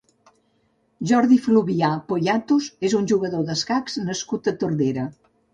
Jordi Fluvià Poyatos és un jugador d'escacs nascut a Tordera.